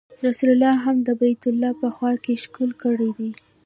رسول الله هم د بیت الله په خوا کې ښکل کړی دی.